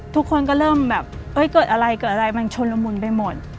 ทุกคนก็เริ่มแบบเกิดอะไรมันชนละมุนไปหมด